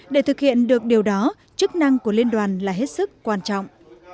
để thực hiện được điều đó chức năng của liên đoàn là hết sức quan trọng